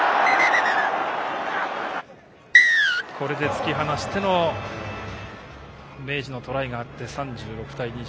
これで突き放しての明治のトライがあって３６対２４。